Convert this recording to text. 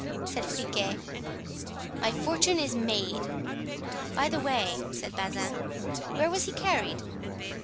said Friquet, "my fortune is made." "By the way," said Bazin, "where was he carried?"